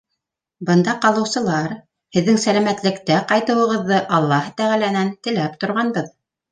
Бында ҡалыусылар һеҙҙең сәләмәтлектә ҡайтыуығыҙҙы аллаһы тәғәләнән теләп торғанбыҙ.